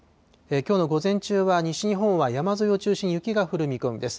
きょうの午前中は西日本は山沿いを中心に雪が降る見込みです。